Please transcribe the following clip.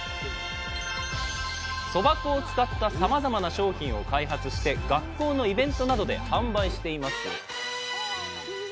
そば粉を使ったさまざまな商品を開発して学校のイベントなどで販売しています。